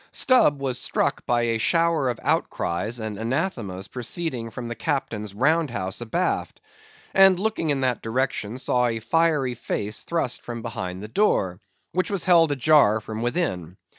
Stubb was struck by a shower of outcries and anathemas proceeding from the Captain's round house abaft; and looking in that direction saw a fiery face thrust from behind the door, which was held ajar from within.